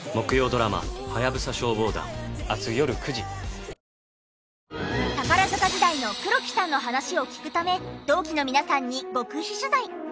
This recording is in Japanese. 同期だからこそ知る宝塚時代の黒木さんの話を聞くため同期の皆さんに極秘取材！